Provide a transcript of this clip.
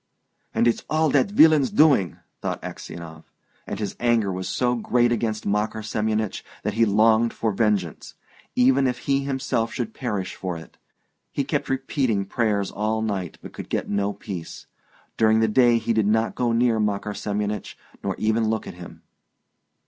"And it's all that villain's doing!" thought Aksionov. And his anger was so great against Makar Semyonich that he longed for vengeance, even if he himself should perish for it. He kept repeating prayers all night, but could get no peace. During the day he did not go near Makar Semyonich, nor even look at him.